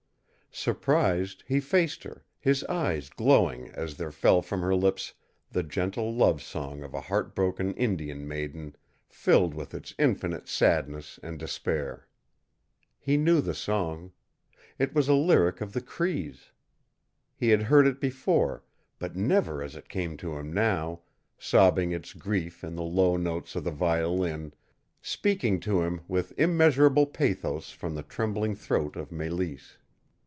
Surprised, he faced her, his eyes glowing as there fell from her lips the gentle love song of a heart broken Indian maiden, filled with its infinite sadness and despair. He knew the song. It was a lyric of the Crees. He had heard it before, but never as it came to him now, sobbing its grief in the low notes of the violin, speaking to him with immeasurable pathos from the trembling throat of Mélisse.